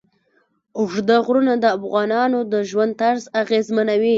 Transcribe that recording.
اوږده غرونه د افغانانو د ژوند طرز اغېزمنوي.